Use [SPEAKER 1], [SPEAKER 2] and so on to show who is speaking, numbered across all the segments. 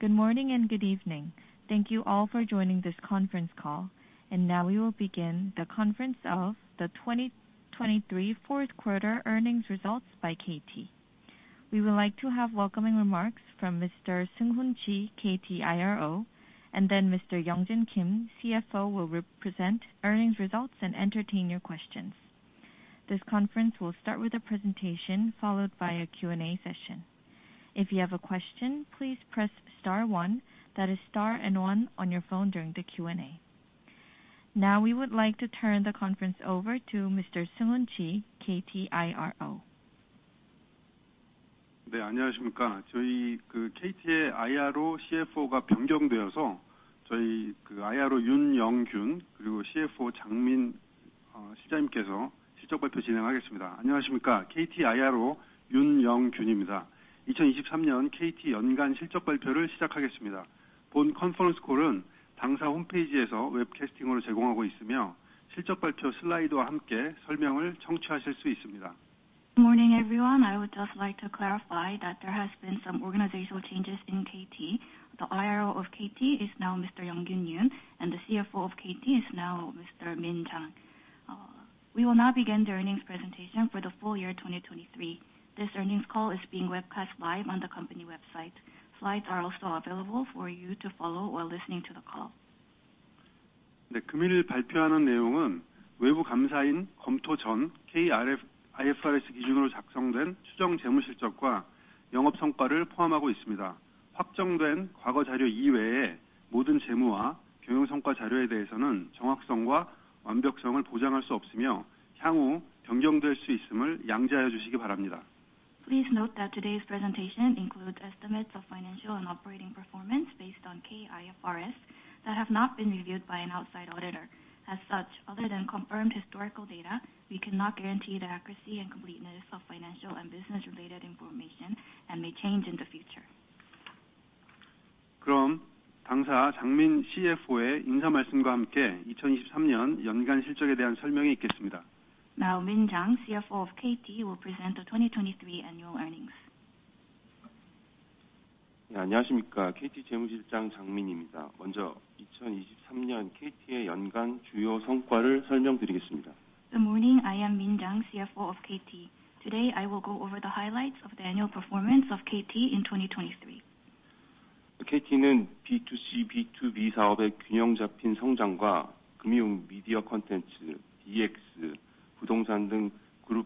[SPEAKER 1] Good morning and good evening. Thank you all for joining this conference call. Now we will begin the conference of the 2023 fourth quarter earnings results by KT. We would like to have welcoming remarks from Mr. Seung-Hoon Chi, KT IRO, and then Mr. Young-Jin Kim, CFO, will present earnings results and entertain your questions. This conference will start with a presentation, followed by a Q&A session. If you have a question, please press star one, that is star and one on your phone during the Q&A. Now, we would like to turn the conference over to Mr. Seung-Hoon Chi, KT IRO.
[SPEAKER 2] Good morning, everyone. I would just like to clarify that there has been some organizational changes in KT. The IRO of KT is now Mr. Young-Jin Kim, and the CFO of KT is now Mr. Min Jang. We will now begin the earnings presentation for the full year 2023. This earnings call is being webcast live on the company website. Slides are also available for you to follow while listening to the call. Please note that today's presentation includes estimates of financial and operating performance based on K-IFRS that have not been reviewed by an outside auditor. As such, other than confirmed historical data, we cannot guarantee the accuracy and completeness of financial and business-related information and may change in the future. Now, Min Jang, CFO of KT, will present the 2023 annual earnings. Good morning, I am Min Jang, CFO of KT. Today, I will go over the highlights of the annual performance of KT in 2023. KT recorded KRW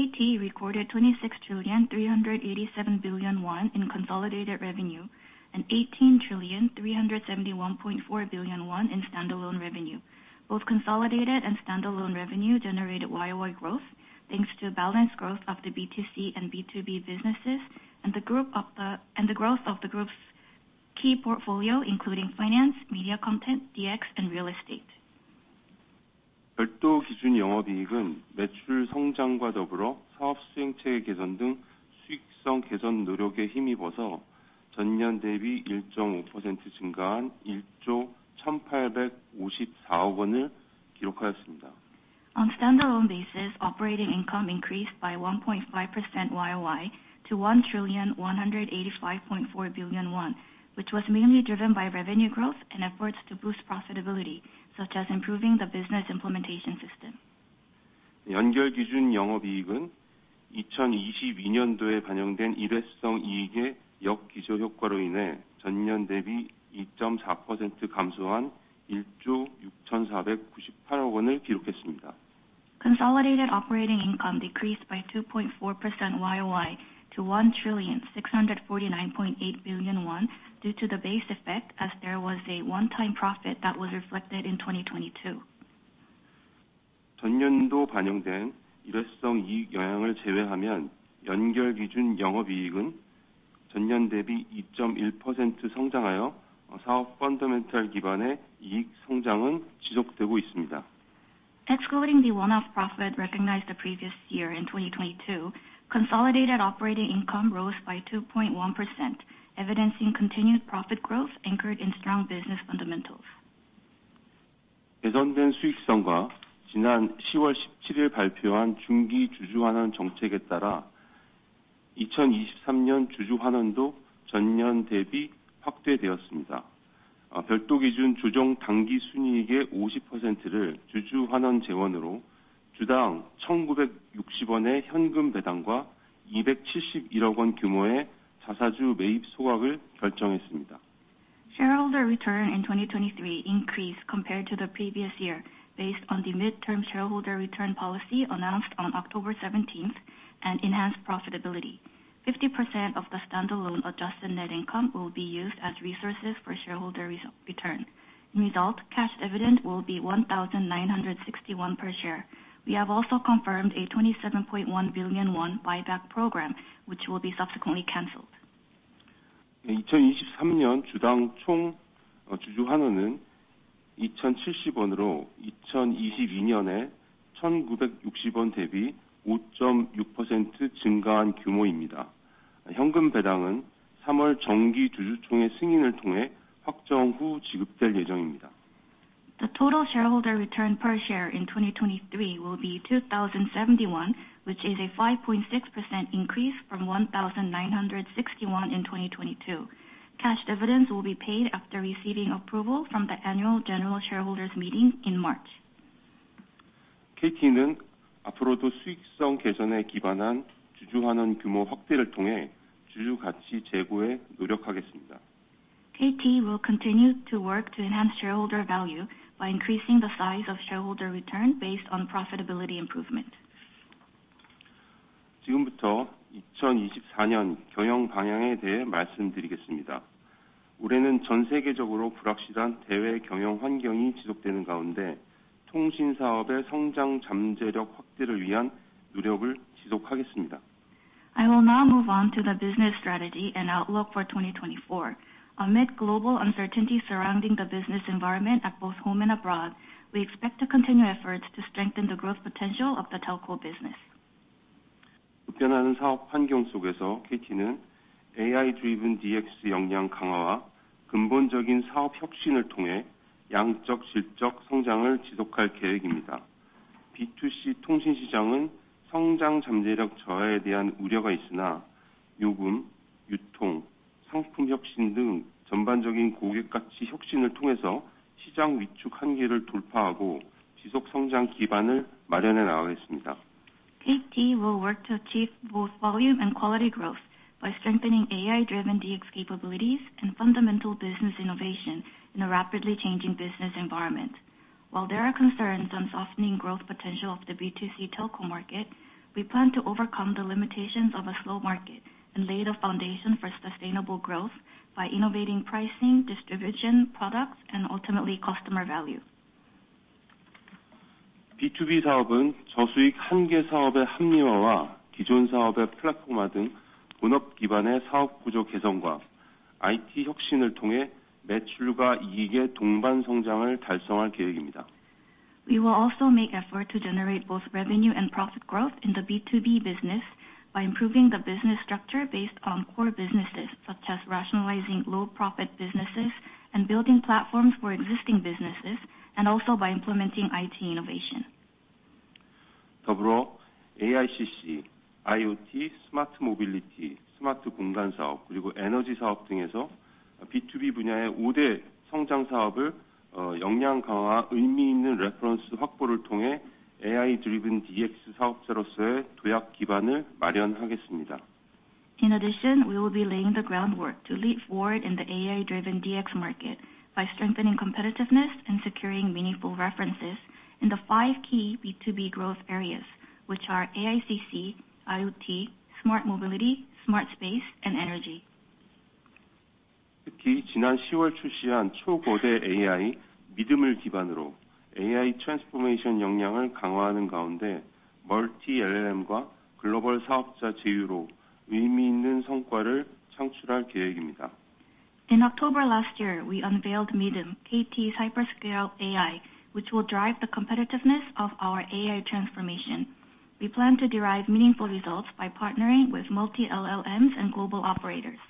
[SPEAKER 2] 26.387 trillion in consolidated revenue, and 18.3714 trillion in standalone revenue. Both consolidated and standalone revenue generated YOY growth, thanks to balanced growth of the B2C and B2B businesses, and the growth of the group's key portfolio, including finance, media, content, DX, and real estate. On standalone basis, operating income increased by 1.5% YOY to 1.1854 trillion, which was mainly driven by revenue growth and efforts to boost profitability, such as improving the business implementation system. Consolidated operating income decreased by 2.4% YOY to 1,649.8 billion won, due to the base effect as there was a one-time profit that was reflected in 2022. Excluding the one-off profit recognized the previous year in 2022, consolidated operating income rose by 2.1%, evidencing continued profit growth anchored in strong business fundamentals. Shareholder return in 2023 increased compared to the previous year, based on the midterm shareholder return policy announced on October seventeenth and enhanced profitability. 50% of the standalone adjusted net income will be used as resources for shareholder return. In result, cash dividend will be 1,961 per share. We have also confirmed a 27.1 billion won buyback program, which will be subsequently canceled.... 네, 2023년 주당 총 주주 환원은 KRW 2,070으로, 2022년에 1,960 대비 5.6% 증가한 규모입니다. 현금 배당은 삼월 정기 주주총회 승인을 통해 확정 후 지급될 예정입니다.
[SPEAKER 3] The total shareholder return per share in 2023 will be 2,071, which is a 5.6% increase from 1,961 in 2022. Cash dividends will be paid after receiving approval from the annual general shareholders meeting in March.
[SPEAKER 2] KT는 앞으로도 수익성 개선에 기반한 주주 환원 규모 확대를 통해 주주 가치 제고에 노력하겠습니다.
[SPEAKER 3] KT will continue to work to enhance shareholder value by increasing the size of shareholder return based on profitability improvement.
[SPEAKER 2] 지금부터 2024년 경영 방향에 대해 말씀드리겠습니다. 올해는 전 세계적으로 불확실한 대외 경영 환경이 지속되는 가운데, 통신 사업의 성장 잠재력 확대를 위한 노력을 지속하겠습니다.
[SPEAKER 3] I will now move on to the business strategy and outlook for 2024. Amid global uncertainty surrounding the business environment at both home and abroad, we expect to continue efforts to strengthen the growth potential of the telco business.
[SPEAKER 2] 급변하는 사업 환경 속에서 KT는 AI driven DX 역량 강화와 근본적인 사업 혁신을 통해 양적, 질적 성장을 지속할 계획입니다. B2C 통신 시장은 성장 잠재력 저하에 대한 우려가 있으나, 요금, 유통, 상품 혁신 등 전반적인 고객 가치 혁신을 통해서 시장 위축 한계를 돌파하고, 지속 성장 기반을 마련해 나가겠습니다.
[SPEAKER 3] KT will work to achieve both volume and quality growth by strengthening AI-driven DX capabilities and fundamental business innovation in a rapidly changing business environment. While there are concerns on softening growth potential of the B2C telco market, we plan to overcome the limitations of a slow market and lay the foundation for sustainable growth by innovating pricing, distribution, products, and ultimately customer value.
[SPEAKER 2] B2B 사업은 저수익 한계 사업의 합리화와 기존 사업의 플랫폼화 등 본업 기반의 사업 구조 개선과 IT 혁신을 통해 매출과 이익의 동반 성장을 달성할 계획입니다.
[SPEAKER 3] We will also make effort to generate both revenue and profit growth in the B2B business by improving the business structure based on core businesses, such as rationalizing low profit businesses and building platforms for existing businesses, and also by implementing IT innovation.
[SPEAKER 2] 더불어 AICC, IoT, 스마트 모빌리티, 스마트 공간 사업, 그리고 에너지 사업 등에서 B2B 분야의 오대 성장 사업을, 역량 강화, 의미 있는 레퍼런스 확보를 통해 AI-driven DX 사업자로서의 도약 기반을 마련하겠습니다.
[SPEAKER 3] In addition, we will be laying the groundwork to leap forward in the AI driven DX market by strengthening competitiveness and securing meaningful references in the five key B2B growth areas, which are AICC, IoT, smart mobility, smart space, and energy.
[SPEAKER 2] 특히 지난 시월 출시한 초거대 AI 믿음을 기반으로 AI transformation 역량을 강화하는 가운데, multi LLM과 글로벌 사업자 제휴로 의미 있는 성과를 창출할 계획입니다.
[SPEAKER 3] In October last year, we unveiled Mi:dm, KT's hyperscale AI, which will drive the competitiveness of our AI transformation. We plan to derive meaningful results by partnering with multi LLMs and global operators.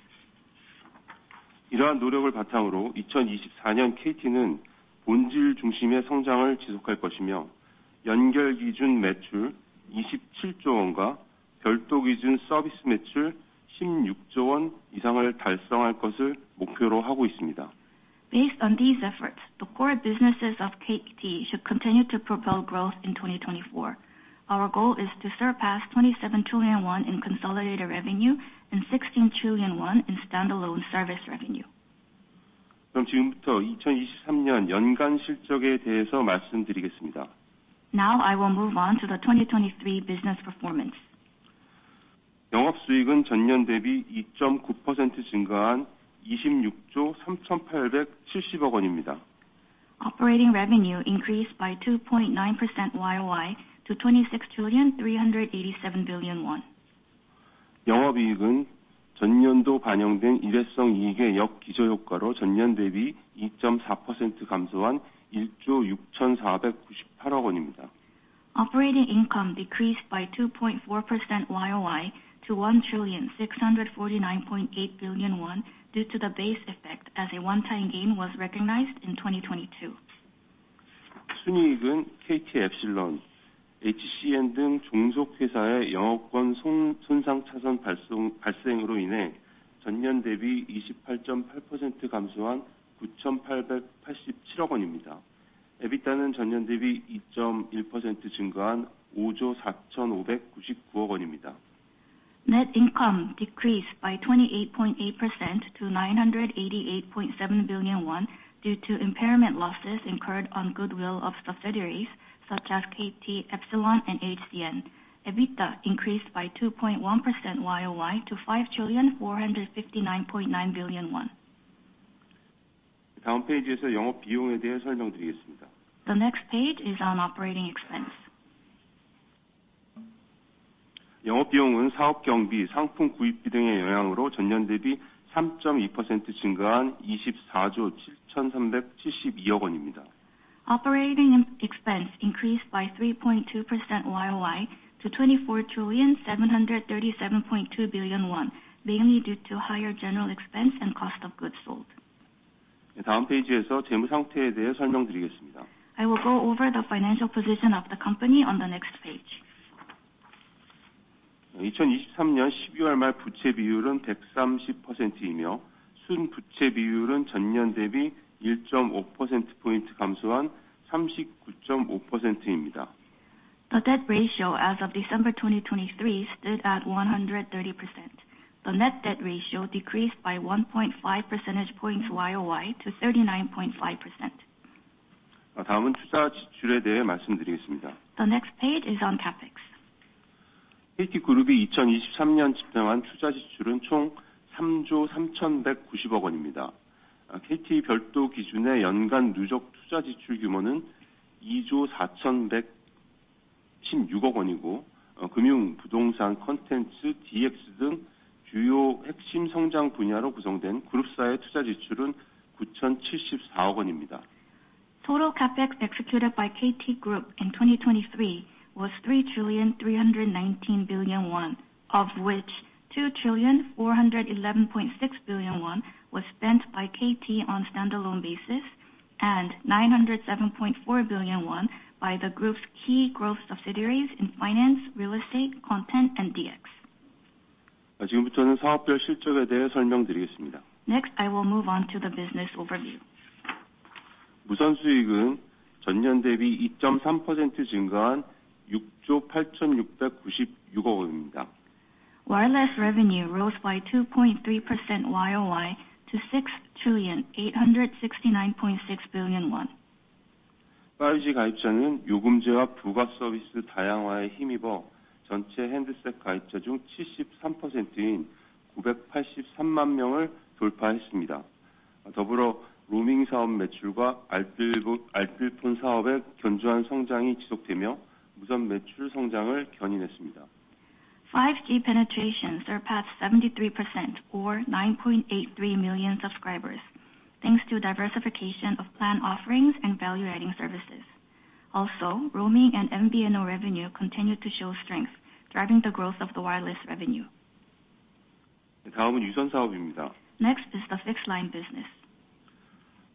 [SPEAKER 2] 이러한 노력을 바탕으로 2024년 KT는 본질 중심의 성장을 지속할 것이며, 연결 기준 매출 27조 원과 별도 기준 서비스 매출 16조 원 이상을 달성할 것을 목표로 하고 있습니다.
[SPEAKER 3] Based on these efforts, the core businesses of KT should continue to propel growth in 2024. Our goal is to surpass 27 trillion won in consolidated revenue and 16 trillion won in standalone service revenue.
[SPEAKER 2] 그럼 지금부터 2023년 연간 실적에 대해서 말씀드리겠습니다.
[SPEAKER 3] Now, I will move on to the 2023 business performance.
[SPEAKER 2] 영업 수익은 전년 대비 2.9% 증가한 26조 3,870억 원입니다.
[SPEAKER 3] Operating revenue increased by 2.9% YOY to 26,387 billion won.
[SPEAKER 2] 영업이익은 전년도 반영된 일회성 이익의 역기저효과로 전년 대비 21% 감소한 1조 6,498억 원입니다.
[SPEAKER 3] Operating income decreased by 2.4% YOY to 1,649.8 billion won, due to the base effect as a one-time gain was recognized in 2022.
[SPEAKER 2] 순이익은 KT Epsilon, HCN 등 종속회사의 영업권 손상차손 발생으로 인해 전년 대비 28.8% 감소한 9,887억 원입니다. EBITDA는 전년 대비 1.1% 증가한 5조 4,599억 원입니다.
[SPEAKER 3] Net income decreased by 28.8% to 988.7 billion won due to impairment losses incurred on goodwill of subsidiaries such as KT Epsilon and HCN. EBITDA increased by 2.1% YOY to 5,459.9 billion won.
[SPEAKER 2] 다음 페이지에서 영업 비용에 대해 설명드리겠습니다.
[SPEAKER 3] The next page is on operating expense....
[SPEAKER 2] 영업비용은 사업 경비, 상품 구입비 등의 영향으로 전년 대비 3% 증가한 24조 7,372억 원입니다.
[SPEAKER 3] Operating expense increased by 3.2% YOY to 24,737.2 billion won, mainly due to higher general expense and cost of goods sold.
[SPEAKER 2] 다음 페이지에서 재무 상태에 대해 설명드리겠습니다.
[SPEAKER 3] I will go over the financial position of the company on the next page.
[SPEAKER 2] 2023년 12월 말 부채 비율은 130%이며, 순 부채 비율은 전년 대비 1.5 퍼센트 포인트 감소한 39.5%입니다.
[SPEAKER 3] The debt ratio as of December 2023 stood at 130%. The net debt ratio decreased by 1.5 percentage points YOY to 39.5%.
[SPEAKER 2] 다음은 투자 지출에 대해 말씀드리겠습니다.
[SPEAKER 3] The next page is on CapEx.
[SPEAKER 2] KT 그룹이 2023년 측정한 투자 지출은 총 3조 3,390억 KRW입니다. KT 별도 기준의 연간 누적 투자 지출 규모는 2조 4,116억 KRW이고, 금융, 부동산, 콘텐츠, DX 등 주요 핵심 성장 분야로 구성된 그룹사의 투자 지출은 9,074억 KRW입니다.
[SPEAKER 3] Total CapEx executed by KT Group in 2023 was 3.319 trillion won, of which 2.4116 trillion won was spent by KT on standalone basis, and 907.4 billion won by the group's key growth subsidiaries in finance, real estate, content, and DX.
[SPEAKER 2] 지금부터는 사업별 실적에 대해 설명드리겠습니다.
[SPEAKER 3] Next, I will move on to the business overview.
[SPEAKER 2] 무선 수익은 전년 대비 1.3% 증가한 KRW 6조 8,696억입니다.
[SPEAKER 3] Wireless revenue rose by 2.3% YOY to 6,869.6 billion won.
[SPEAKER 2] 5G 가입자는 요금제와 부가서비스 다양화에 힘입어 전체 핸드셋 가입자 중 73%인 983만 명을 돌파했습니다. 더불어 로밍 사업 매출과 알뜰, 알뜰폰 사업의 견조한 성장이 지속되며 무선 매출 성장을 견인했습니다.
[SPEAKER 3] 5G penetration surpassed 73% or 9.83 million subscribers, thanks to diversification of plan offerings and value adding services. Also, roaming and MVNO revenue continued to show strength, driving the growth of the wireless revenue.
[SPEAKER 2] 다음은 유선 사업입니다.
[SPEAKER 3] Next is the fixed line business.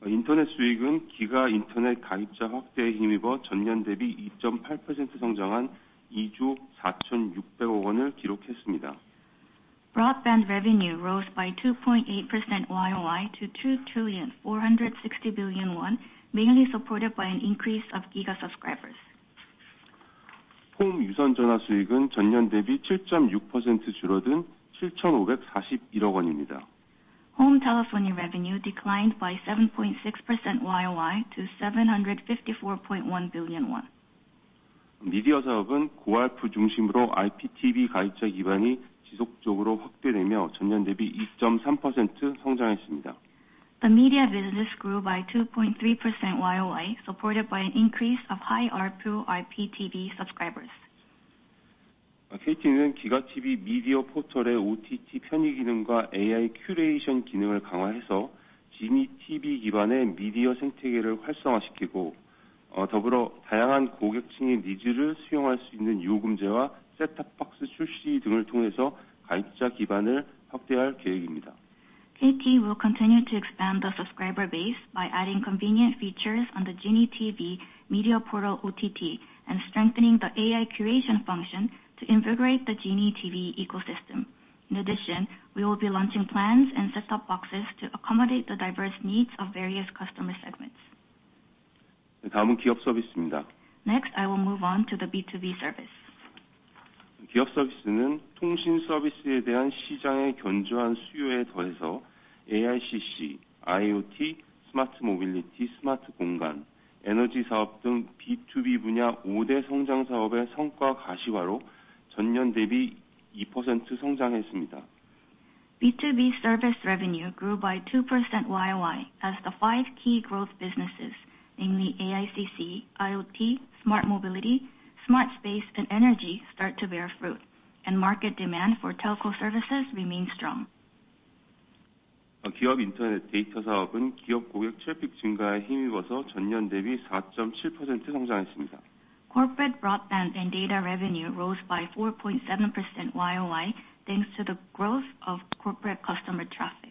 [SPEAKER 2] 인터넷 수익은 GiGA Internet 가입자 확대에 힘입어 전년 대비 2.8% 성장한 KRW 2,460,000,000,000을 기록했습니다.
[SPEAKER 3] Broadband revenue rose by 2.8% YOY to 2,460 billion won, mainly supported by an increase of GiGA subscribers.
[SPEAKER 2] Home wireline phone revenue decreased 7.6% year-over-year to 7,541 billion.
[SPEAKER 3] Home telephony revenue declined by 7.6% YOY to 754.1 billion won.
[SPEAKER 2] 미디어 사업은 고 ARPU 중심으로 IPTV 가입자 기반이 지속적으로 확대되며 전년 대비 1.3% 성장했습니다.
[SPEAKER 3] The media business grew by 2.3% YOY, supported by an increase of high ARPU IPTV subscribers.
[SPEAKER 2] KT는 기가 TV 미디어 포털의 OTT 편의 기능과 AI 큐레이션 기능을 강화해서 Genie TV 기반의 미디어 생태계를 활성화시키고, 더불어 다양한 고객층의 니즈를 수용할 수 있는 요금제와 셋톱박스 출시 등을 통해서 가입자 기반을 확대할 계획입니다.
[SPEAKER 3] KT will continue to expand the subscriber base by adding convenient features on the Genie TV media portal, OTT, and strengthening the AI curation function to invigorate the Genie TV ecosystem. In addition, we will be launching plans and set top boxes to accommodate the diverse needs of various customer segments.
[SPEAKER 2] 다음은 기업 서비스입니다.
[SPEAKER 3] Next, I will move on to the B2B service.
[SPEAKER 2] 기업 서비스는 통신 서비스에 대한 시장의 견조한 수요에 더해서 AICC, IoT, 스마트 모빌리티, 스마트 공간, 에너지 사업 등 B2B 분야 오대 성장 사업의 성과 가시화로 전년 대비 2% 성장했습니다.
[SPEAKER 3] B2B service revenue grew by 2% YOY as the five key growth businesses, namely AICC, IoT, smart mobility, smart space, and energy, start to bear fruit, and market demand for telco services remains strong.
[SPEAKER 2] 기업 인터넷 데이터 사업은 기업 고객 트래픽 증가에 힘입어서 전년 대비 4.7% 성장했습니다.
[SPEAKER 3] Corporate broadband and data revenue rose by 4.7% YOY, thanks to the growth of corporate customer traffic.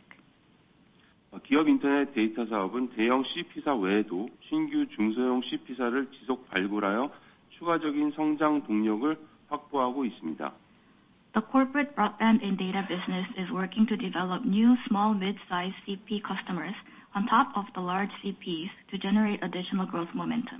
[SPEAKER 2] 기업 인터넷 데이터 사업은 대형 CP사 외에도 신규 중소형 CP사를 지속 발굴하여 추가적인 성장 동력을 확보하고 있습니다.
[SPEAKER 3] The corporate broadband and data business is working to develop new small, mid-sized CP customers on top of the large CPs to generate additional growth momentum.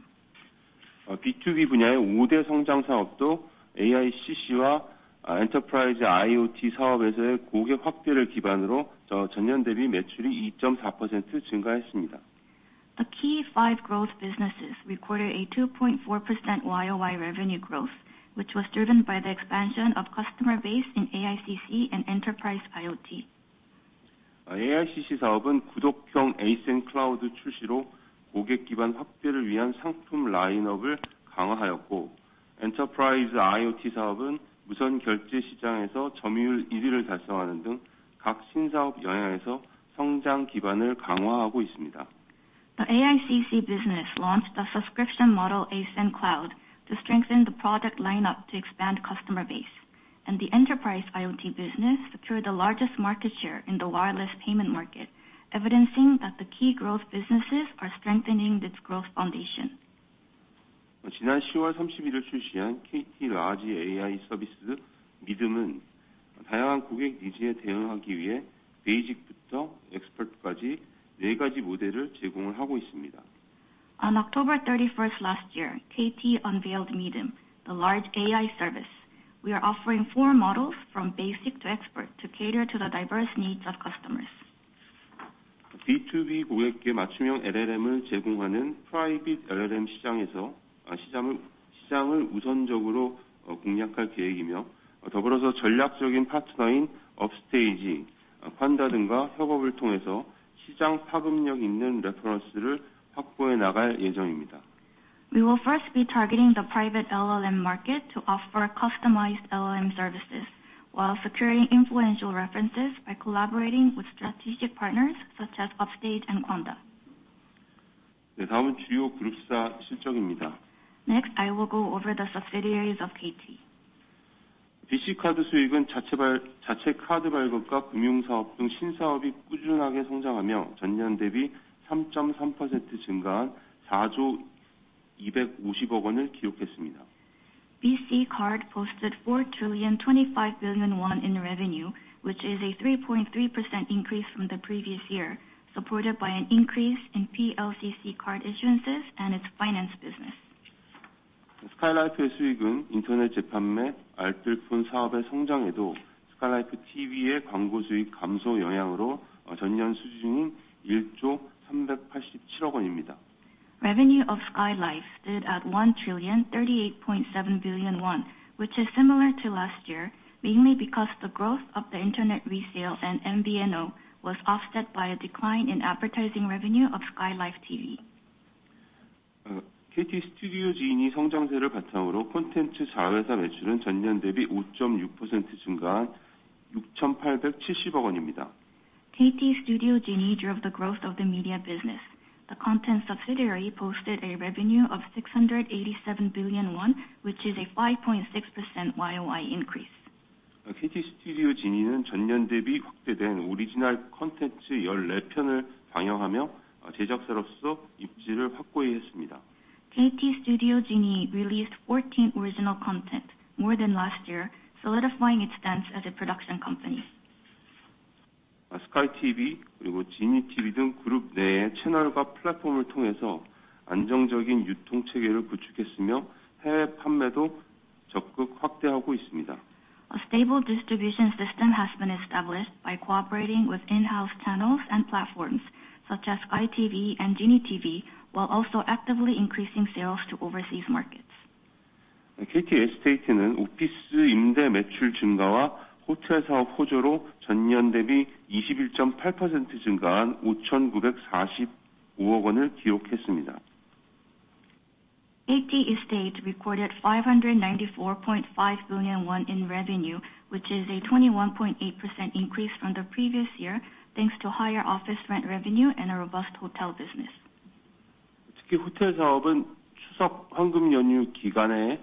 [SPEAKER 2] B2B 분야의 오대 성장 사업도 AICC와 엔터프라이즈 IoT 사업에서의 고객 확대를 기반으로 전년 대비 매출이 14% 증가했습니다.
[SPEAKER 3] The key five growth businesses recorded a 2.4% YOY revenue growth, which was driven by the expansion of customer base in AICC and enterprise IoT....
[SPEAKER 2] AICC 사업은 구독형 ASN Cloud 출시로 고객 기반 확대를 위한 상품 라인업을 강화하였고, Enterprise IoT 사업은 무선 결제 시장에서 점유율 일위를 달성하는 등각 신사업 영역에서 성장 기반을 강화하고 있습니다.
[SPEAKER 3] The AICC business launched a subscription model, ASN Cloud, to strengthen the product lineup to expand customer base. The Enterprise IoT business secured the largest market share in the wireless payment market, evidencing that the key growth businesses are strengthening its growth foundation.
[SPEAKER 2] 지난 10월 31일 출시한 KT Large AI 서비스, Mi:dm은 다양한 고객 니즈에 대응하기 위해 Basic부터 Expert까지 4가지 모델을 제공을 하고 있습니다.
[SPEAKER 3] On October thirty-first last year, KT unveiled Mi:dm, the large AI service. We are offering four models from basic to expert to cater to the diverse needs of customers.
[SPEAKER 2] B2B 고객께 맞춤형 LLM을 제공하는 Private LLM 시장에서 시장을 우선적으로 공략할 계획이며, 더불어서 전략적인 파트너인 Upstage, Panda 등과 협업을 통해서 시장 파급력 있는 레퍼런스를 확보해 나갈 예정입니다.
[SPEAKER 3] We will first be targeting the private LLM market to offer customized LLM services, while securing influential references by collaborating with strategic partners such as Upstage and QANDA.
[SPEAKER 2] 네, 다음은 주요 그룹사 실적입니다.
[SPEAKER 3] Next, I will go over the subsidiaries of KT.
[SPEAKER 2] BC 카드 수익은 자체 카드 발급과 금융 사업 등 신사업이 꾸준하게 성장하며, 전년 대비 3.3% 증가한 4조 250억 원을 기록했습니다.
[SPEAKER 3] BC Card posted 4,025 billion won in revenue, which is a 3.3% increase from the previous year, supported by an increase in PLCC card issuances and its finance business.
[SPEAKER 2] due to the impact of Sky TV's advertising revenue decrease, at the previous year's level of 1,038.7 billion.
[SPEAKER 3] Revenue of Sky Life stood at 1,038.7 billion won, which is similar to last year, mainly because the growth of the internet resale and MVNO was offset by a decline in advertising revenue of Sky Life TV.
[SPEAKER 2] KT Studio 성장세를 바탕으로 콘텐츠 자회사 매출은 전년 대비 0.6% 증가한 6,870억 원입니다.
[SPEAKER 3] KT Studio Genie drove the growth of the media business. The content subsidiary posted a revenue of 687 billion won, which is a 5.6% YOY increase.
[SPEAKER 2] KT Studio Genie는 전년 대비 확대된 오리지널 콘텐츠 14편을 방영하며, 제작사로서 입지를 확고히 했습니다.
[SPEAKER 3] KT Studio Genie released 14 original content, more than last year, solidifying its stance as a production company.
[SPEAKER 2] Sky TV, 그리고 Genie TV 등 그룹 내의 채널과 플랫폼을 통해서 안정적인 유통 체계를 구축했으며, 해외 판매도 적극 확대하고 있습니다.
[SPEAKER 3] A stable distribution system has been established by cooperating with in-house channels and platforms, such as Sky TV and Genie TV, while also actively increasing sales to overseas markets.
[SPEAKER 2] KT 에스테이트는 오피스 임대 매출 증가와 호텔 사업 호조로 전년 대비 21.8% 증가한 5,940억 원을 기록했습니다.
[SPEAKER 3] KT Estate recorded 594.5 billion won in revenue, which is a 21.8% increase from the previous year, thanks to higher office rent revenue and a robust hotel business.
[SPEAKER 2] 특히 호텔 사업은 추석 황금 연휴 기간에,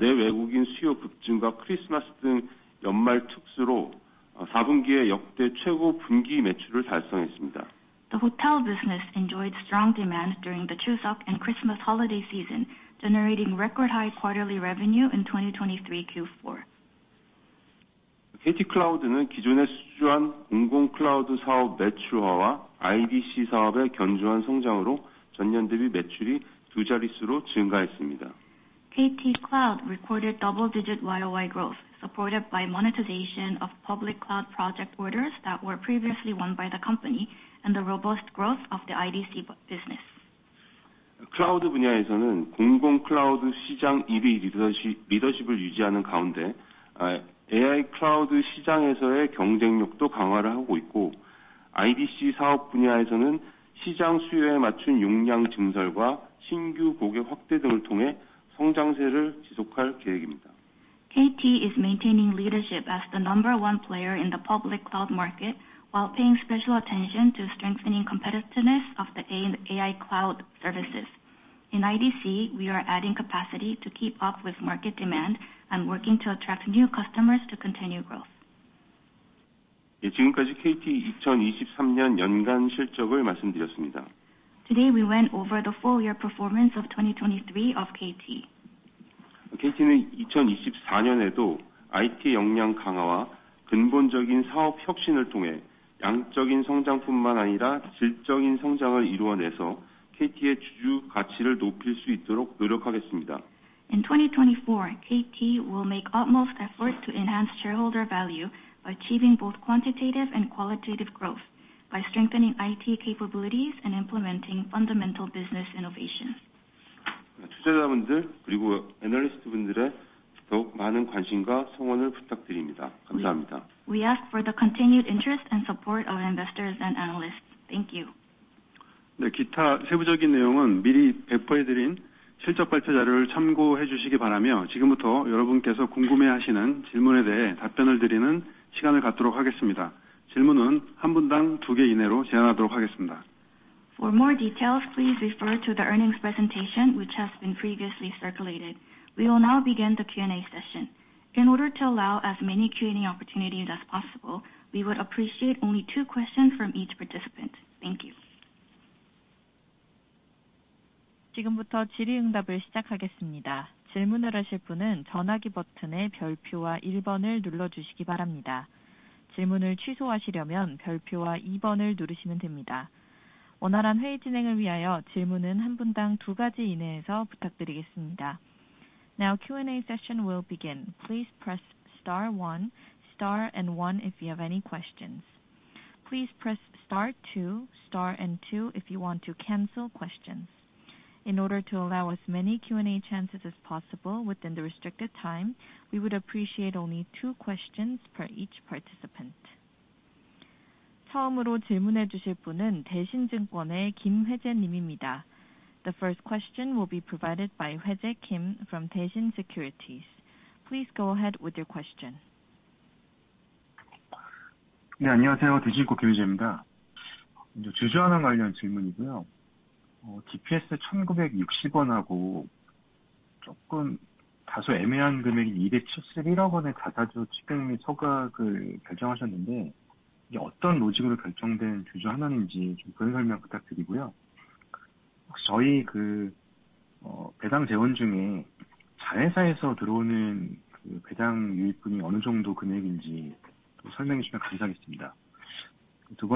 [SPEAKER 2] 내외국인 수요 급증과 크리스마스 등 연말 특수로, 사분기에 역대 최고 분기 매출을 달성했습니다.
[SPEAKER 3] The hotel business enjoyed strong demand during the Chuseok and Christmas holiday season, generating record high quarterly revenue in 2023 Q4.
[SPEAKER 2] KT 클라우드는 기존의 수준의 공공 클라우드 사업 매출화와 IDC 사업의 견조한 성장으로 전년 대비 매출이 두 자릿수로 증가했습니다.
[SPEAKER 3] KT Cloud recorded double-digit YOY growth, supported by monetization of public cloud project orders that were previously won by the company and the robust growth of the IDC business.
[SPEAKER 2] 클라우드 분야에서는 공공 클라우드 시장 1위 리더십을 유지하는 가운데, AI 클라우드 시장에서의 경쟁력도 강화를 하고 있고, IDC 사업 분야에서는 시장 수요에 맞춘 용량 증설과 신규 고객 확대 등을 통해 성장세를 지속할 계획입니다.
[SPEAKER 3] KT is maintaining leadership as the number one player in the public cloud market, while paying special attention to strengthening competitiveness of the AI cloud services. In IDC, we are adding capacity to keep up with market demand and working to attract new customers to continue growth.
[SPEAKER 2] 예, 지금까지 KT 2023년 연간 실적을 말씀드렸습니다.
[SPEAKER 3] Today, we went over the full year performance of 2023 of KT.
[SPEAKER 2] KT는 2024년에도 IT 역량 강화와 근본적인 사업 혁신을 통해 양적인 성장뿐만 아니라 질적인 성장을 이루어내서 KT의 주주 가치를 높일 수 있도록 노력하겠습니다.
[SPEAKER 3] In 2024, KT will make utmost effort to enhance shareholder value by achieving both quantitative and qualitative growth, by strengthening IT capabilities and implementing fundamental business innovation....
[SPEAKER 2] 투자자분들 그리고 애널리스트분들의 더욱 많은 관심과 성원을 부탁드립니다. 감사합니다.
[SPEAKER 3] We ask for the continued interest and support of investors and analysts. Thank you.
[SPEAKER 2] 네, 기타 세부적인 내용은 미리 배포해 드린 실적 발표 자료를 참고해 주시기 바라며, 지금부터 여러분께서 궁금해하시는 질문에 대해 답변을 드리는 시간을 갖도록 하겠습니다. 질문은 한 분당 두개 이내로 제한하도록 하겠습니다.
[SPEAKER 3] For more details, please refer to the earnings presentation, which has been previously circulated. We will now begin the Q&A session. In order to allow as many Q&A opportunities as possible, we would appreciate only two questions from each participant. Thank you.지금부터 질의응답을 시작하겠습니다. 질문을 하실 분은 전화기 버튼의 별표와 일번을 눌러주시기 바랍니다. 질문을 취소하시려면 별표와 이번을 누르시면 됩니다. 원활한 회의 진행을 위하여 질문은 한 분당 두 가지 이내에서 부탁드리겠습니다. Now, Q&A session will begin. Please press star one, star and one if you have any questions. Please press star two, star and two if you want to cancel questions. In order to allow as many Q&A chances as possible within the restricted time, we would appreciate only two questions per each participant. 처음으로 질문해 주실 분은 대신증권의 김회재 님입니다. The first question will be provided by Hyejae Kim from Daishin Securities. Please go ahead with your question.
[SPEAKER 4] provide some explanation on that. And, among the dividend sources, the amount of dividend income coming from subsidiaries, please explain how much that is; I would be grateful. Second, as the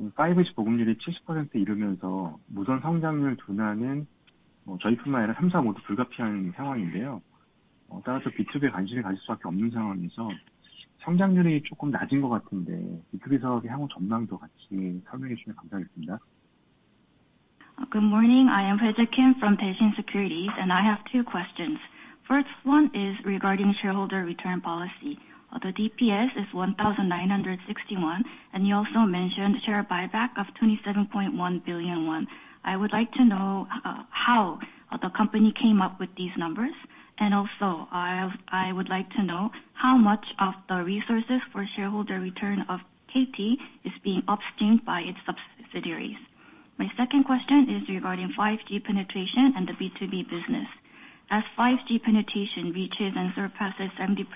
[SPEAKER 4] 5G penetration rate reaches 70%, the slowdown in wireless growth rate is inevitable not only for us but for all three companies. Therefore, in a situation where we have no choice but to pay attention to B2B, the growth rate seems a bit low; please also explain the future outlook for the B2B business, I would be grateful.
[SPEAKER 3] Good morning. I am Hyejae Kim from Daishin Securities, and I have two questions. First one is regarding shareholder return policy. The DPS is 1,960, and you also mentioned share buyback of 27.1 billion won. I would like to know how the company came up with these numbers, and also I would like to know how much of the resources for shareholder return of KT is being upstreamed by its subsidiaries. My second question is regarding 5G penetration and the B2B business. As 5G penetration reaches and surpasses 70%,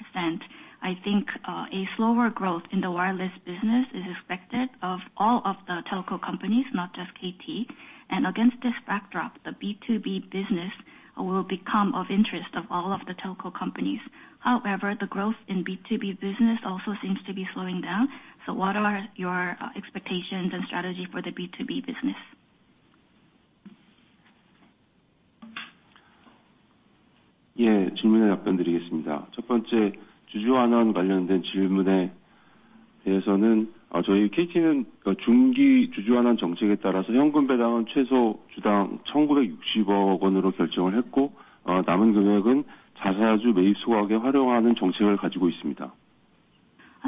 [SPEAKER 3] I think a slower growth in the wireless business is expected of all of the telco companies, not just KT. And against this backdrop, the B2B business will become of interest of all of the telco companies. However, the growth in B2B business also seems to be slowing down. What are your expectations and strategy for the B2B business?
[SPEAKER 2] 예, 질문에 답변드리겠습니다. 첫 번째, 주주환원 관련된 질문에 대해서는, 저희 KT는 그 중기 주주환원 정책에 따라서 현금 배당은 최소 주당 1,960억 원으로 결정을 했고, 남은 금액은 자사주 매입 소각에 활용하는 정책을 가지고 있습니다.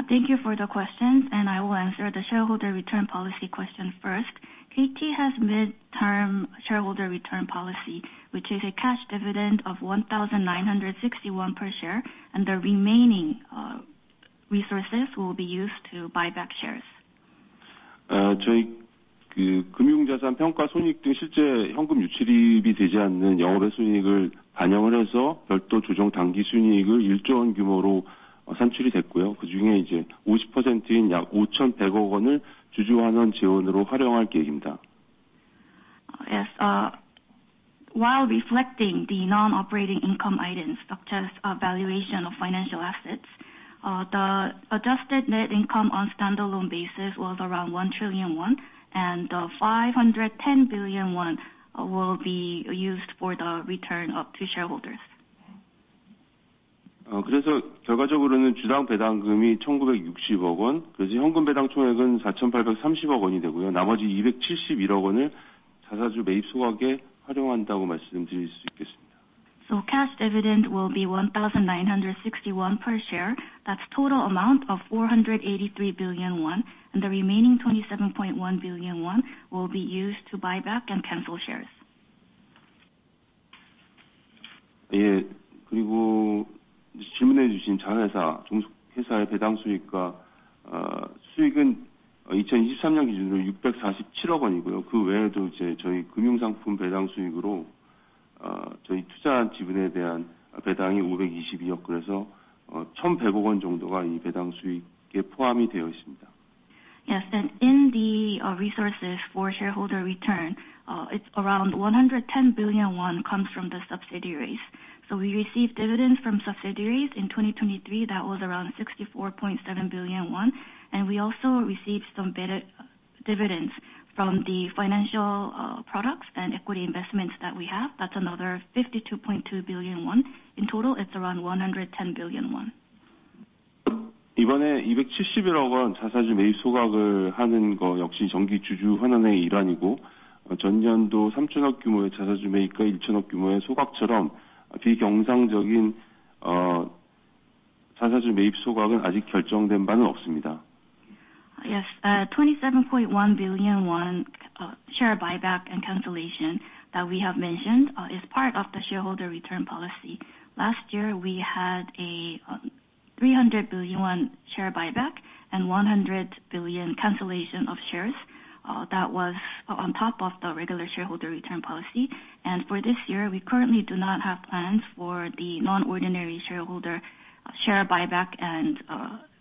[SPEAKER 3] Thank you for the question, and I will answer the shareholder return policy question first. KT has midterm shareholder return policy, which is a cash dividend of 1,961 per share, and the remaining resources will be used to buy back shares.
[SPEAKER 2] 저희 그 금융자산 평가손익 등 실제 현금 유출입이 되지 않는 영업외 수익을 반영을 해서 별도 조정 당기순이익을 1조 원 규모로 산출이 됐고요. 그중에 이제 50%인 약 5,100억 원을 주주환원 재원으로 활용할 계획입니다.
[SPEAKER 3] Yes, while reflecting the non-operating income items, such as valuation of financial assets, the adjusted net income on standalone basis was around 1 trillion won, and 510 billion won will be used for the return up to shareholders.
[SPEAKER 2] 그래서 결과적으로는 주당 배당금이 KRW 1,960억, 그래서 현금 배당 총액은 KRW 4,830억이 되고요. 나머지 KRW 271억을 자사주 매입 소각에 활용한다고 말씀드릴 수 있겠습니다.
[SPEAKER 3] Cash dividend will be 1,961 per share. That's total amount of 483 billion won, and the remaining 27.1 billion won will be used to buy back and cancel shares.
[SPEAKER 2] 예, 그리고 질문해 주신 자회사, 종속회사의 배당 수익과, 수익은, 2023년 기준으로 64.7 billion이고요. 그 외에도 이제 저희 금융상품 배당수익으로, 저희 투자한 지분에 대한 배당이 52.2 billion, 그래서 110 billion 정도가 이 배당 수익에 포함이 되어 있습니다.
[SPEAKER 3] Yes, and in the resources for shareholder return, it's around 110 billion won comes from the subsidiaries. So we received dividends from subsidiaries in 2023, that was around 64.7 billion won, and we also received some dividends from the financial products and equity investments that we have. That's another 52.2 billion won. In total, it's around 110 billion
[SPEAKER 2] won.... 이번에 271억원 자사주 매입 소각을 하는 거 역시 정기 주주 환원의 일환이고, 전년도 3,000억 규모의 자사주 매입과 1,000억 규모의 소각처럼 비정상적인, 자사주 매입 소각은 아직 결정된 바는 없습니다.
[SPEAKER 3] Yes, KRW 27.1 billion share buyback and cancellation that we have mentioned is part of the shareholder return policy. Last year, we had a 300 billion won share buyback and 100 billion cancellation of shares that was on top of the regular shareholder return policy. For this year, we currently do not have plans for the non-ordinary shareholder share buyback and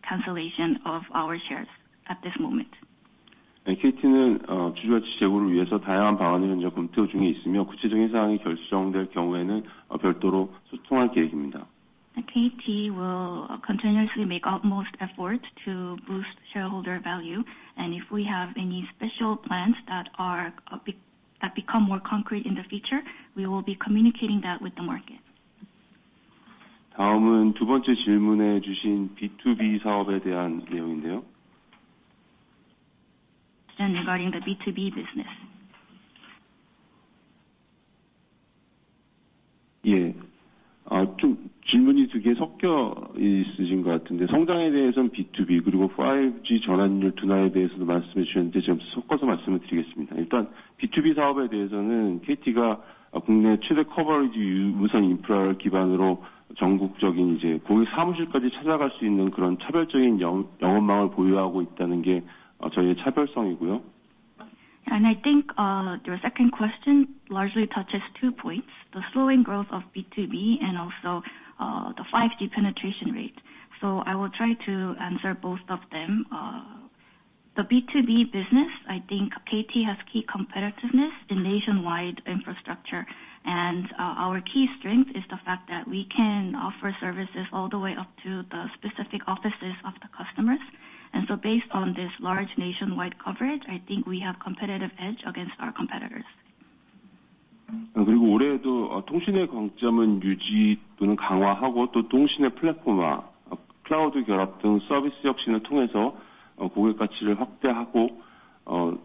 [SPEAKER 3] cancellation of our shares at this moment.
[SPEAKER 2] KT는 주주 가치 제고를 위해서 다양한 방안을 현재 검토 중에 있으며, 구체적인 사항이 결정될 경우에는 별도로 소통할 계획입니다.
[SPEAKER 3] KT will continuously make utmost effort to boost shareholder value, and if we have any special plans that become more concrete in the future, we will be communicating that with the market.
[SPEAKER 2] 다음은 두 번째 질문에 주신 B2B 사업에 대한 내용인데요.
[SPEAKER 3] Regarding the B2B business.
[SPEAKER 2] 예, 좀 질문이 두개 섞여 있으신 것 같은데, 성장에 대해서는 B2B, 그리고 5G 전환율 둔화에 대해서도 말씀해 주셨는데, 제가 섞어서 말씀을 드리겠습니다. 일단 B2B 사업에 대해서는 KT가 국내 최대 커버리지 유무선 인프라를 기반으로 전국적인 이제 고객 사무실까지 찾아갈 수 있는 그런 차별적인 영업망을 보유하고 있다는 게, 저희의 차별성이구요.
[SPEAKER 3] I think, your second question largely touches two points, the slowing growth of B2B and also, the 5G penetration rate. So I will try to answer both of them. The B2B business, I think KT has key competitiveness in nationwide infrastructure, and, our key strength is the fact that we can offer services all the way up to the specific offices of the customers. And so based on this large nationwide coverage, I think we have competitive edge against our competitors.
[SPEAKER 2] 그리고 올해도, 통신의 강점은 유지 또는 강화하고, 또 통신의 플랫폼화, 클라우드 결합 등 서비스 혁신을 통해서, 고객 가치를 확대하고,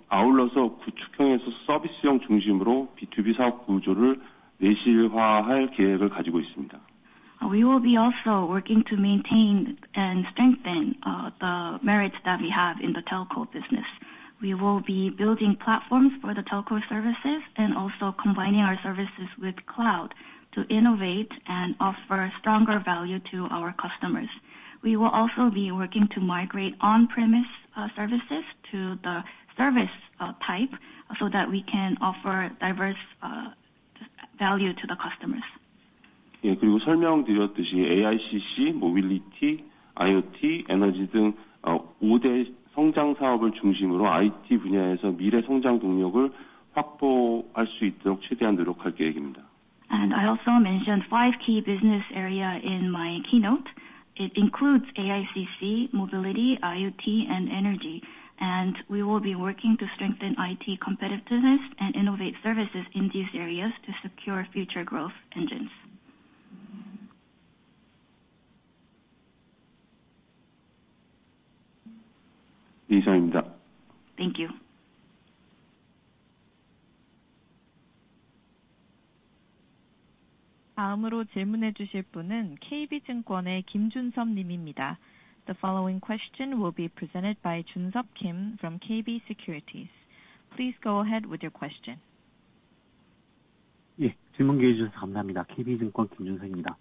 [SPEAKER 2] 아울러서 구축형에서 서비스형 중심으로 B2B 사업 구조를 내실화할 계획을 가지고 있습니다.
[SPEAKER 3] We will be also working to maintain and strengthen the merits that we have in the telco business. We will be building platforms for the telco services and also combining our services with cloud, to innovate and offer stronger value to our customers. We will also be working to migrate on-premise services to the service type so that we can offer diverse value to the customers.
[SPEAKER 2] 예, 그리고 설명드렸듯이 AICC, Mobility, IoT, Energy 등, 오대 성장 사업을 중심으로 IT 분야에서 미래 성장 동력을 확보할 수 있도록 최대한 노력할 계획입니다.
[SPEAKER 3] I also mentioned five key business area in my keynote. It includes AICC, Mobility, IoT, and Energy, and we will be working to strengthen IT competitiveness and innovate services in these areas to secure future growth engines.
[SPEAKER 2] 이상입니다.
[SPEAKER 3] Thank you.
[SPEAKER 1] 다음으로 질문해 주실 분은 KB증권의 김준섭님입니다. The following question will be presented by Jun Sop Kim from KB Securities. Please go ahead with your question.
[SPEAKER 5] 예, 질문 기회 주셔서 감사합니다. KB증권 김준섭입니다.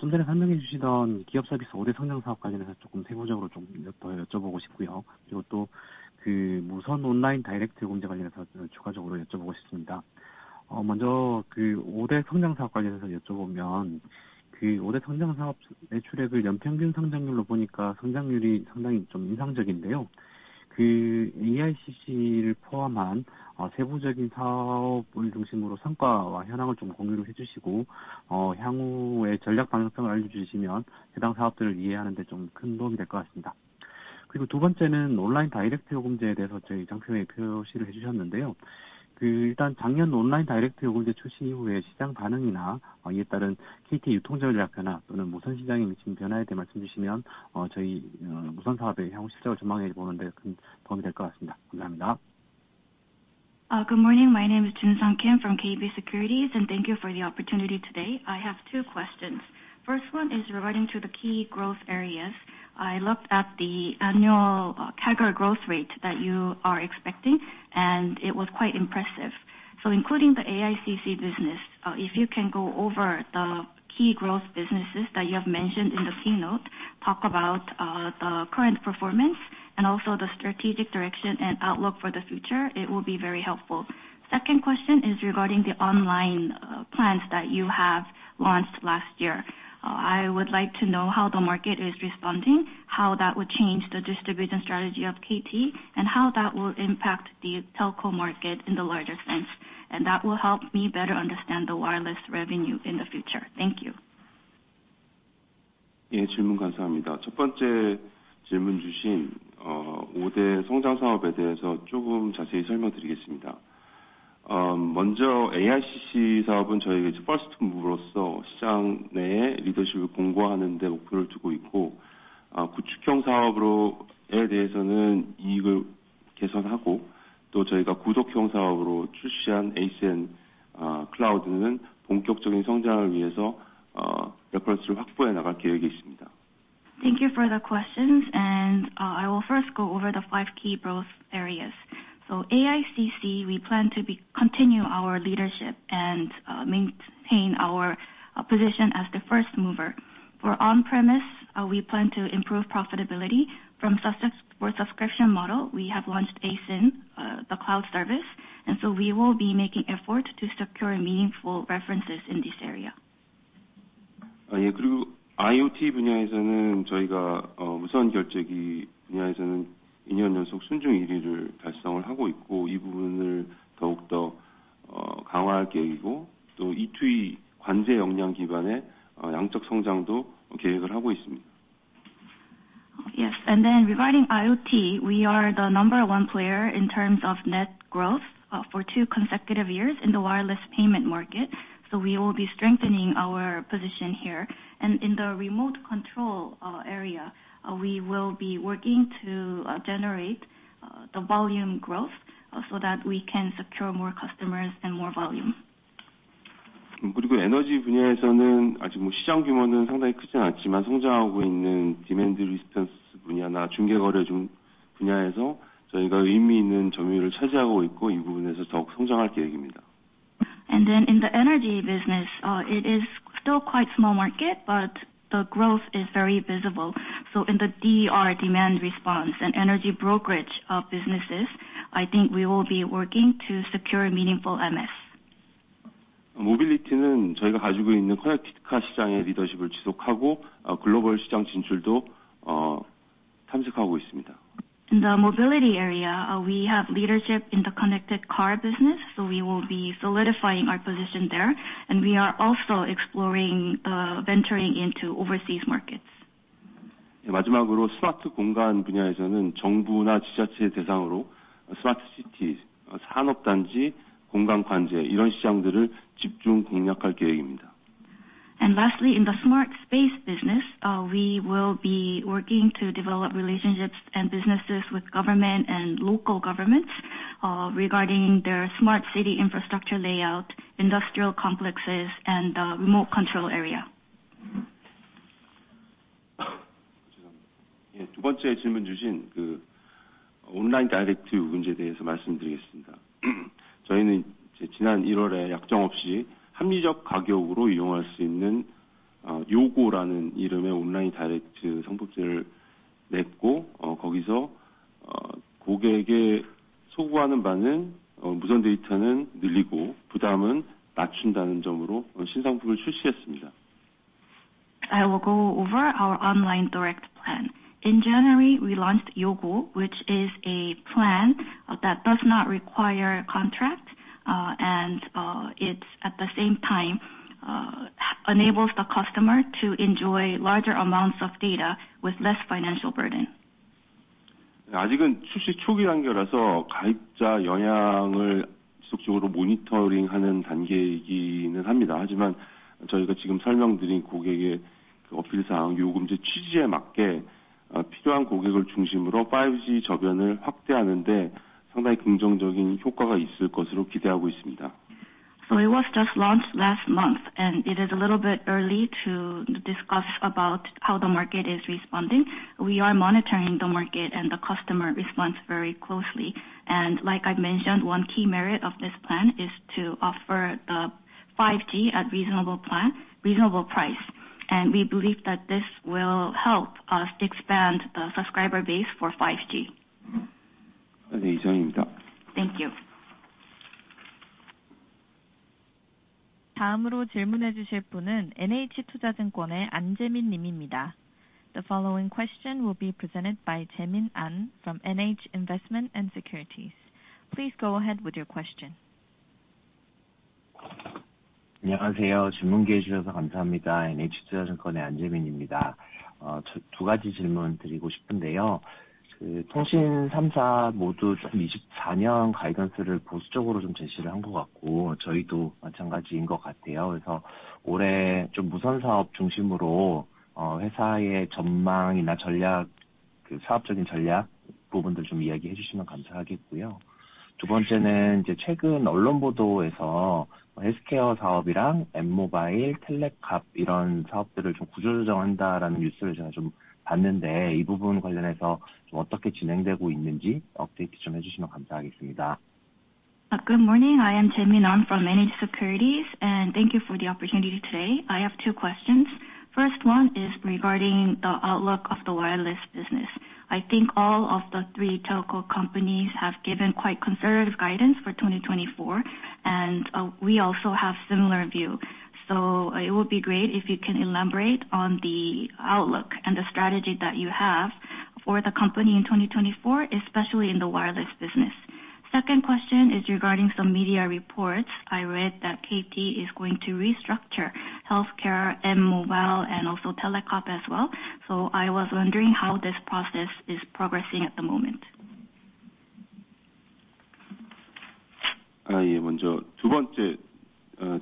[SPEAKER 5] 좀 전에 설명해 주시던 기업 서비스 오대 성장 사업 관련해서 조금 세부적으로 좀더 여쭤보고 싶고요. 그리고 또그 무선 온라인 다이렉트 요금제 관련해서 좀 추가적으로 여쭤보고 싶습니다. 먼저 그 오대 성장 사업 관련해서 여쭤보면, 그 오대 성장 사업 매출액을 연평균 성장률로 보니까 성장률이 상당히 좀 인상적인데요. 그 AICC를 포함한, 세부적인 사업을 중심으로 성과와 현황을 좀 공유를 해 주시고, 향후의 전략 방향성을 알려주시면 해당 사업들을 이해하는 데좀큰 도움이 될것 같습니다. 그리고 두 번째는 온라인 다이렉트 요금제에 대해서 저희 장표에 표시를 해 주셨는데요. 그 일단 작년 온라인 다이렉트 요금제 출시 이후에 시장 반응이나, 이에 따른 KT 유통 전략 변화 또는 무선 시장이 미치는 변화에 대해 말씀해 주시면, 저희, 무선 사업의 향후 시세를 전망해 보는데 큰 도움이 될것 같습니다. 감사합니다.
[SPEAKER 3] Good morning. My name is Jun Sop Kim from KB Securities, and thank you for the opportunity today. I have two questions. First one is regarding to the key growth areas. I looked at the annual, CAGR growth rate that you are expecting, and it was quite impressive. So including the AICC business, if you can go over the key growth businesses that you have mentioned in the keynote, talk about, the current performance and also the strategic direction and outlook for the future, it will be very helpful. Second question is regarding the online, plans that you have launched last year. I would like to know how the market is responding, how that would change the distribution strategy of KT, and how that will impact the telco market in the larger sense, and that will help me better understand the wireless revenue in the future. Thank you.
[SPEAKER 2] 예, 질문 감사합니다. 첫 번째 질문 주신, 오대 성장 사업에 대해서 조금 자세히 설명드리겠습니다. 먼저 AICC 사업은 저희의 first move으로서 시장 내에 리더십을 공고하는 데 목표를 두고 있고, 구축형 사업으로, 에 대해서는 이익을 개선하고, 또 저희가 구독형 사업으로 출시한 ASN, 클라우드는 본격적인 성장을 위해서 레퍼런스를 확보해 나갈 계획이 있습니다.
[SPEAKER 3] Thank you for the questions. I will first go over the five key growth areas. AICC, we plan to be, continue our leadership and, maintain our position as the first mover. For on-premise, we plan to improve profitability from success for subscription model. We have launched ASN, the cloud service, and so we will be making efforts to secure meaningful references in this area.
[SPEAKER 2] Yeah, 그리고 IoT 분야에서는 저희가, 무선 결제기 분야에서는 이년 연속 순증 일위를 달성을 하고 있고, 이 부분을 더욱더, 강화할 계획이고, 또 E2E 관제 역량 기반의, 양적 성장도 계획을 하고 있습니다.
[SPEAKER 3] Yes, and then regarding IoT, we are the number one player in terms of net growth for two consecutive years in the wireless payment market. So we will be strengthening our position here. And in the remote control area, we will be working to generate the volume growth so that we can secure more customers and more volume.
[SPEAKER 2] 에너지 분야에서는 아직 시장 규모는 상당히 크진 않지만 성장하고 있는 demand response 분야나 중개 거래 분야에서 저희가 의미 있는 점유율을 차지하고 있고, 이 부분에서 더욱 성장할 계획입니다.
[SPEAKER 3] Then in the energy business, it is still quite small market, but the growth is very visible. In the DR demand response and energy brokerage, businesses, I think we will be working to secure meaningful MS.
[SPEAKER 2] 모빌리티는 저희가 가지고 있는 커넥티카 시장의 리더십을 지속하고, 글로벌 시장 진출도, 탐색하고 있습니다.
[SPEAKER 3] In the mobility area, we have leadership in the connected car business, so we will be solidifying our position there, and we are also exploring, venturing into overseas markets.
[SPEAKER 2] 마지막으로 스마트 공간 분야에서는 정부나 지자체를 대상으로 스마트 시티, 산업단지, 공공관제, 이런 시장들을 집중 공략할 계획입니다.
[SPEAKER 3] And lastly, in the smart space business, we will be working to develop relationships and businesses with government and local governments, regarding their smart city infrastructure layout, industrial complexes, and remote control area.
[SPEAKER 2] 예, 두 번째 질문 주신, 그, 온라인 다이렉트 문제에 대해서 말씀드리겠습니다. 저희는 이제 지난 일월에 약정 없이 합리적 가격으로 이용할 수 있는, 요고라는 이름의 온라인 다이렉트 상품을 냈고, 거기서, 고객의 소구하는 바는, 무선 데이터는 늘리고, 부담은 낮춘다는 점으로 신상품을 출시했습니다.
[SPEAKER 3] I will go over our online direct plan. In January, we launched Yogo, which is a plan that does not require contract, and it's at the same time enables the customer to enjoy larger amounts of data with less financial burden.
[SPEAKER 2] 아직은 출시 초기 단계라서 가입자 영향을 지속적으로 모니터링하는 단계이기는 합니다. 하지만 저희가 지금 설명드린 고객의 어필 사항, 요금제 취지에 맞게, 필요한 고객을 중심으로 5G 저변을 확대하는 데 상당히 긍정적인 효과가 있을 것으로 기대하고 있습니다.
[SPEAKER 3] So it was just launched last month, and it is a little bit early to discuss about how the market is responding. We are monitoring the market and the customer response very closely, and like I've mentioned, one key merit of this plan is to offer 5G at reasonable plan, reasonable price, and we believe that this will help us expand the subscriber base for 5G.
[SPEAKER 2] 네, 이상입니다.
[SPEAKER 3] Thank you.
[SPEAKER 1] 다음으로 질문해 주실 분은 NH 투자증권의 안재민 님입니다. The following question will be presented by Jaemin An from NH Investment & Securities. Please go ahead with your question.
[SPEAKER 6] All three telecom companies seem to have presented their 2024 guidance somewhat conservatively, and it seems the same for you.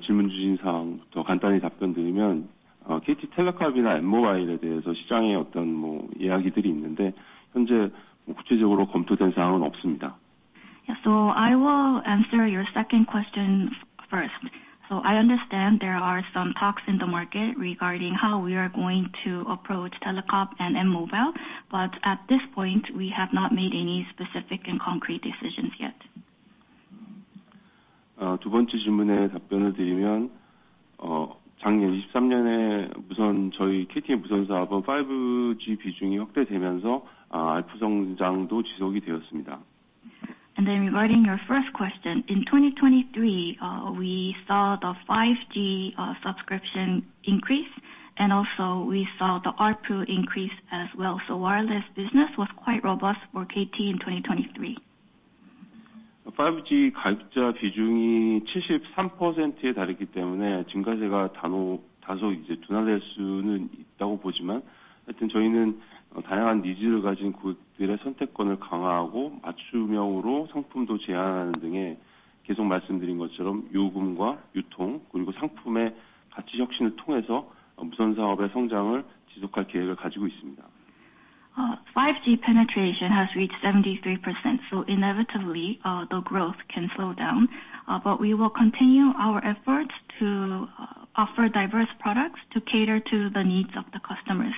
[SPEAKER 2] 질문 주신 사항부터 간단히 답변드리면, KT 텔레캅이나 M모바일에 대해서 시장의 어떤 뭐, 이야기들이 있는데 현재 구체적으로 검토된 사항은 없습니다.
[SPEAKER 3] Yeah, so I will answer your second question first. So I understand there are some talks in the market regarding how we are going to approach Telecab and M-mobile, but at this point, we have not made any specific and concrete decisions yet.
[SPEAKER 2] 두 번째 질문에 답변을 드리면, 작년 2023년에 우선 저희 KT 무선 사업은 5G 비중이 확대되면서, ARPU 성장도 지속이 되었습니다.
[SPEAKER 3] Then regarding your first question, in 2023, we saw the 5G subscription increase, and also we saw the ARPU increase as well. So wireless business was quite robust for KT in 2023.
[SPEAKER 2] 5G 가입자 비중이 73%에 달했기 때문에 증가세가 다소, 다소 이제 둔화될 수는 있다고 보지만, 하여튼 저희는 다양한 니즈를 가진 고객들의 선택권을 강화하고, 맞춤형으로 상품도 제안하는 등의 계속 말씀드린 것처럼 요금과 유통, 그리고 상품의 가치 혁신을 통해서 무선 사업의 성장을 지속할 계획을 가지고 있습니다.
[SPEAKER 3] 5G penetration has reached 73%, so inevitably, the growth can slow down. But we will continue our efforts to offer diverse products to cater to the needs of the customers.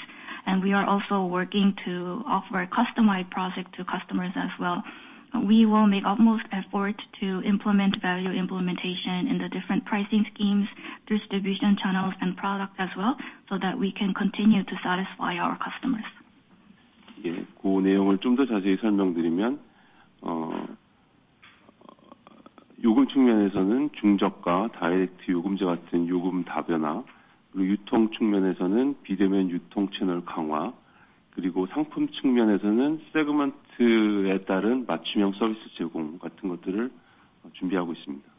[SPEAKER 3] And we are also working to offer customized product to customers as well. We will make utmost effort to implement value implementation in the different pricing schemes, distribution channels, and product as well, so that we can continue to satisfy our customers.
[SPEAKER 2] 예, 그 내용을 좀더 자세히 설명드리면, 요금 측면에서는 중저가 다이렉트 요금제 같은 요금 다변화, 그리고 유통 측면에서는 비대면 유통 채널 강화, 그리고 상품 측면에서는 세그먼트에 따른 맞춤형 서비스 제공 같은 것들을 준비하고 있습니다.
[SPEAKER 3] To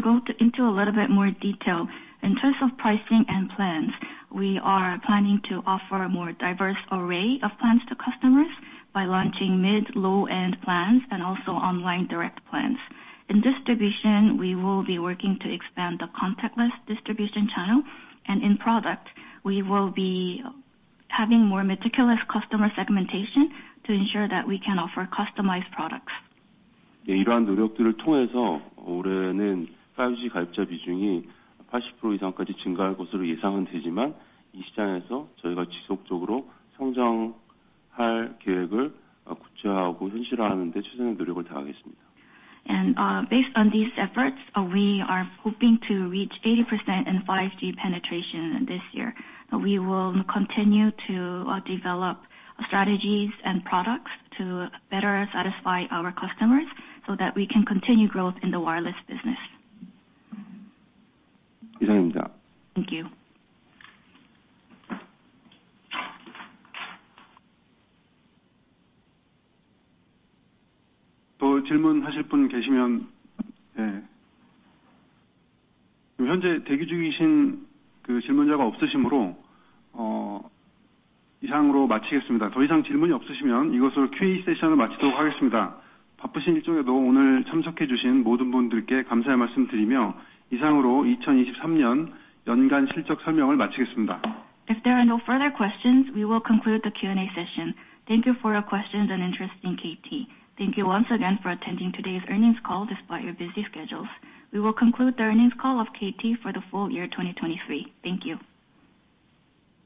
[SPEAKER 3] go into a little bit more detail, in terms of pricing and plans, we are planning to offer a more diverse array of plans to customers by launching mid, low-end plans and also online direct plans. In distribution, we will be working to expand the contactless distribution channel, and in product, we will be having more meticulous customer segmentation to ensure that we can offer customized products.
[SPEAKER 2] 예, 이러한 노력들을 통해서 올해는 5G 가입자 비중이 80% 이상까지 증가할 것으로 예상은 되지만, 이 시장에서 저희가 지속적으로 성장할 계획을 구체화하고 현실화하는 데 최선의 노력을 다하겠습니다.
[SPEAKER 3] Based on these efforts, we are hoping to reach 80% in 5G penetration this year. We will continue to develop strategies and products to better satisfy our customers, so that we can continue growth in the wireless business.
[SPEAKER 2] 이상입니다.
[SPEAKER 3] Thank you.
[SPEAKER 2] 더 질문하실 분 계시면, 예. 현재 대기 중이신 그 질문자가 없으시므로, 이상으로 마치겠습니다. 더 이상 질문이 없으시면 이것으로 Q&A 세션을 마치도록 하겠습니다. 바쁘신 일정에도 오늘 참석해 주신 모든 분들께 감사의 말씀드리며, 이상으로 2023년 연간 실적 설명을 마치겠습니다.
[SPEAKER 3] If there are no further questions, we will conclude the Q&A session. Thank you for your questions and interest in KT. Thank you once again for attending today's earnings call despite your busy schedules. We will conclude the earnings call of KT for the full year 2023. Thank you!